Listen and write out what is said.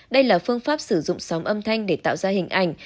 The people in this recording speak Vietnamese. đây là phương pháp sử dụng sóng âm thanh để tạo ra hình ảnh